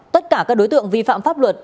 tất cả các đối tượng vi phạm pháp luật